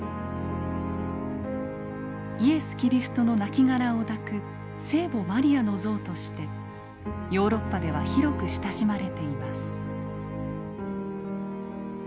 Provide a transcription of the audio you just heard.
イエス・キリストの亡骸を抱く聖母マリアの像としてヨーロッパでは広く親しまれています。